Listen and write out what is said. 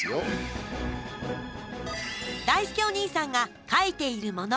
だいすけお兄さんがかいているもの